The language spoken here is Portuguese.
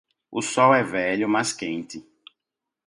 O sol é velho, mas quente.